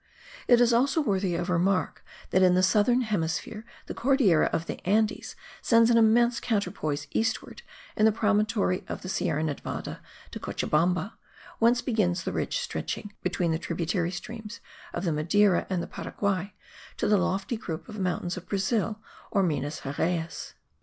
It is also worthy of remark that in the southern hemisphere the Cordillera of the Andes sends an immense counterpoise eastward in the promontory of the Sierra Nevada de Cochabamba, whence begins the ridge stretching between the tributary streams of the Madeira and the Paraguay to the lofty group of the mountains of Brazil or Minas Geraes.